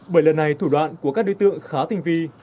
bởi lần này thủ đoạn của các đối tượng khá tinh vi